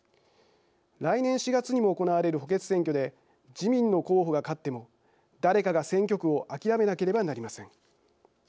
来年４月にも行われる補欠選挙で自民の候補が勝っても誰かが選挙区を諦めなければなりません。